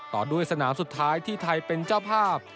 ต่อด้วยสนามสุดท้ายที่ไทยเป็นเจ้าภาพ